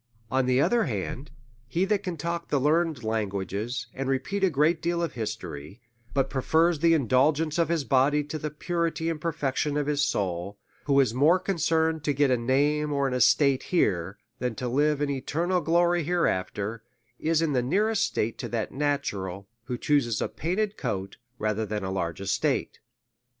On the other hand, he that can talk the learned lan guages, and repeat a great deal of history, but prefers the indulgence of his body to the purity and perfection of his soul, who is more concerned to get a name, or an estate here, than to live in eternal glory hereafter, is in the nearest state to that natural, who chuses a painted coat rather than a large estate.